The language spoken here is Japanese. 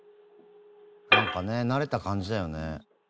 なんかね慣れた感じだよね。